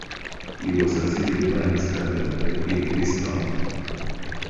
He was succeeded by his cousin, the eighth Viscount.